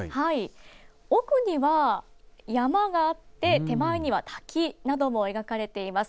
奥には山があって手前には滝なども描かれています。